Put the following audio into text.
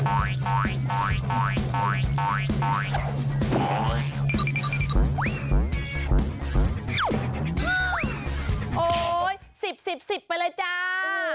โอ้โหสิบสิบสิบไปเลยจ้า